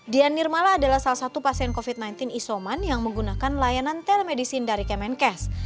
dian nirmala adalah salah satu pasien covid sembilan belas isoman yang menggunakan layanan telemedicine dari kemenkes